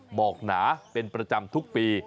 หมอกหนาเป็นประจำทุกปี